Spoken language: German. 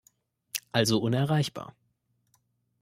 Also unerreichbar.